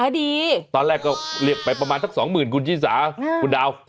ดีตอนแรกก็เรียกไปประมาณสักสองหมื่นคุณชิสาคุณดาว